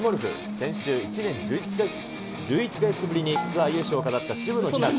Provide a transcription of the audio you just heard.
先週、１年１１か月ぶりにツアー優勝を飾った渋野日向子。